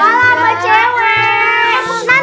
kalah pak cewek